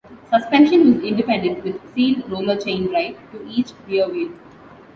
Suspension was independent with sealed roller chain drive to each rear wheel.